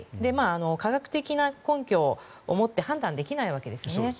科学的な根拠を持って判断できないわけです。